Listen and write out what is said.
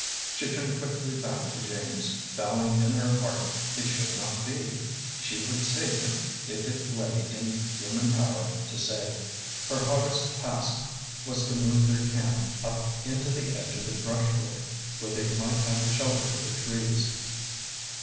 She turned quickly back to James, vowing in her heart it should not be; she would save him if it lay in human power to save. Her hardest task was to move their camp up into the edge of the brushwood, where they might have the shelter of the trees.